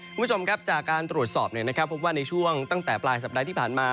คุณผู้ชมครับจากการตรวจสอบพบว่าในช่วงตั้งแต่ปลายสัปดาห์ที่ผ่านมา